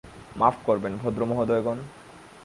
মাফ করবেন, ভদ্রমহোদয়গণ।